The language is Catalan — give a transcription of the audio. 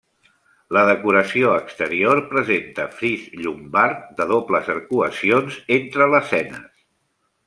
La decoració exterior presenta fris llombard de dobles arcuacions entre lesenes.